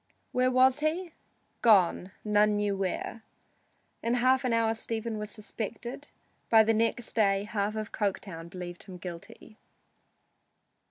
Where was he? Gone, none knew where! In an hour Stephen was suspected. By the next day half of Coketown believed him guilty.